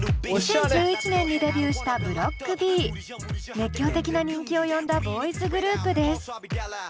２０１１年にデビューした熱狂的な人気を呼んだボーイズグループです。